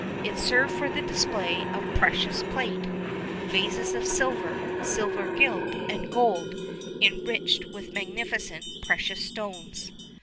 It served for the display of precious plate vases of silver, silver gilt, and gold, enriched with magnificent precious stones.